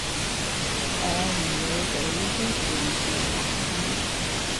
我唔會畀依件事發生